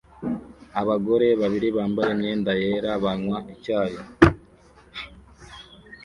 Abagore babiri bambaye imyenda yera banywa icyayi